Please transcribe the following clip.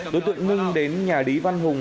đối tượng nưng đến nhà lý văn hùng